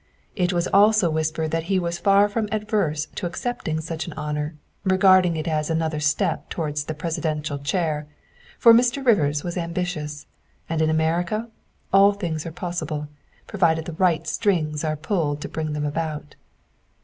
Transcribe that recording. It was also whispered that he was far from averse to accepting such an honor, regarding it as another step towards the Presidential chair, for Mr. Rivers was ambitious, and in America all things are possible, provided the right strings are pulled to bring them about.